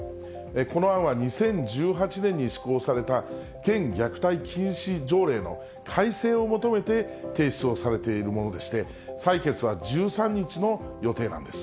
この案は２０１８年に施行された県虐待禁止条例の改正を求めて提出をされているものでして、採決は１３日の予定なんです。